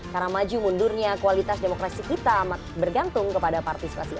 karena maju mundurnya kualitas demokrasi kita bergantung kepada partisipasi